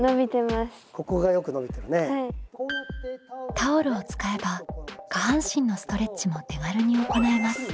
タオルを使えば下半身のストレッチも手軽に行えます。